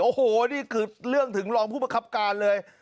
โอ้โหนี่คือเรื่องถึงรองผู้ประคับการเลย